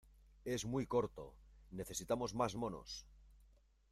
¡ Es muy corto! ¡ necesitamos más monos !